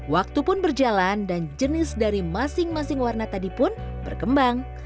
waktu pun berjalan dan jenis dari masing masing warna tadi pun berkembang